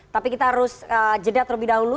tapi kita harus jeda terlebih dahulu